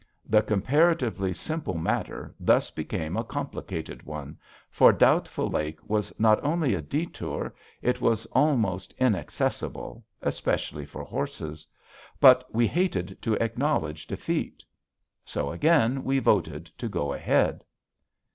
The comparatively simple matter thus became a complicated one, for Doubtful Lake was not only a détour; it was almost inaccessible, especially for horses. But we hated to acknowledge defeat. So again we voted to go ahead.